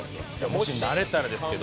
もしなれたらですけど。